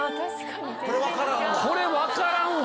これ分からんわ。